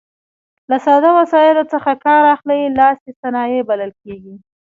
له ساده وسایلو څخه کار اخلي لاسي صنایع بلل کیږي.